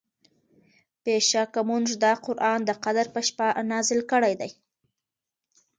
بېشکه مونږ دا قرآن د قدر په شپه نازل کړی دی